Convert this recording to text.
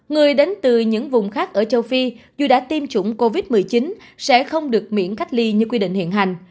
người đến từ những vùng khác ở châu phi dù đã tiêm chủng covid một mươi chín sẽ không được miễn cách ly như quy định hiện hành